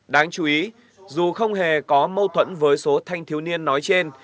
đáng chú ý dù không hề có mâu thuẫn với số thanh thiếu niên nói trên